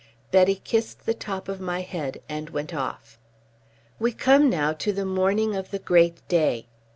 Betty kissed the top of my head and went off. We come now to the morning of the great day.